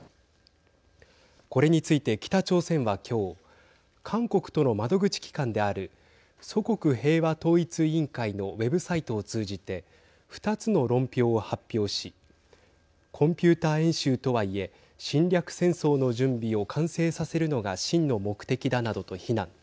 これについて北朝鮮は今日韓国との窓口機関である祖国平和統一委員会のウェブサイトを通じて２つの論評を発表しコンピューター演習とはいえ侵略戦争の準備を完成させるのが真の目的だなどと非難。